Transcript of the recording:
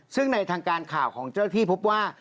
ซึ่งในทางการข่าวของเจ้าที่พบว่า